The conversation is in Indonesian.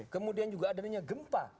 kemudian juga adanya gempa